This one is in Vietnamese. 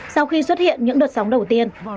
sau khi xuất hiện những đợt sóng đầu tiên